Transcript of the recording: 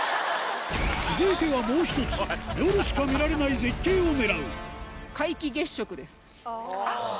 続いてはもう一つ夜しか見られない絶景を狙うおぉ！